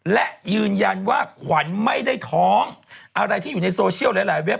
และยืนยันว่าขวัญไม่ได้ท้องอะไรที่อยู่ในโซเชียลหลายเว็บ